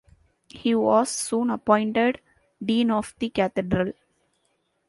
He was soon appointed Dean of the cathedral.